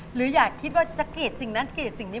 หรืออยากคิดว่าจะกรีดสิ่งนั้นกรีดสิ่งนี้